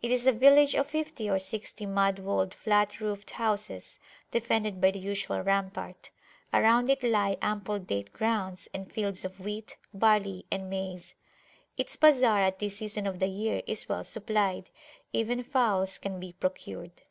It is a village of fifty or sixty mud walled, flat roofed houses, defended by the usual rampart. Around it lie ample date grounds, and fields of wheat, barley, and maize. Its bazar at this season of the year is well supplied: even fowls can be procured.